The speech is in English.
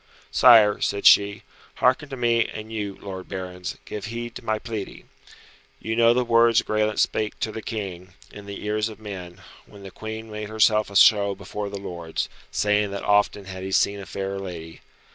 "Sire," said she, "hearken to me, and you, lord barons, give heed to my pleading. You know the words Graelent spake to the King, in the ears of men, when the Queen made herself a show before the lords, saying that often had he seen a fairer lady.